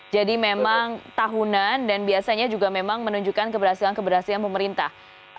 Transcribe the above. jadi memang tahunan dan biasanya juga memang menunjukkan keberhasilan keberhasilan pemerintah